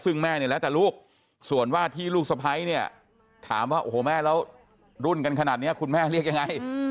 ซึ่งแม่เนี่ยแล้วแต่ลูกส่วนว่าที่ลูกสะพ้ายเนี่ยถามว่าโอ้โหแม่แล้วรุ่นกันขนาดนี้คุณแม่เรียกยังไง